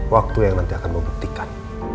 waktu yang nanti akan membuktikan